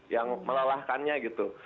yang melalahkannya gitu